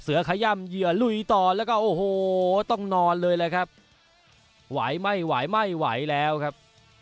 ขย่ำเหยื่อลุยต่อแล้วก็โอ้โหต้องนอนเลยแหละครับไหวไม่ไหวไม่ไหวแล้วครับ